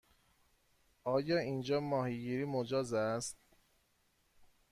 آیا اینجا ماهیگیری مجاز است؟